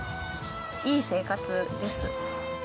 いい生活です。